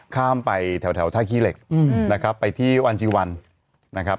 ข้ามไปแถวท่าขี้เหล็กนะครับไปที่วันจีวันนะครับ